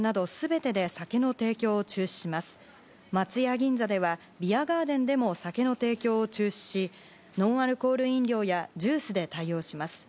銀座ではビアガーデンでも酒の提供を中止しノンアルコール飲料やジュースで対応します。